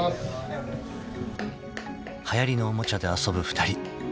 ［はやりのおもちゃで遊ぶ２人］